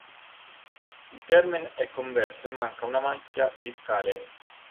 Il "termen" è convesso e manca una macchia discale.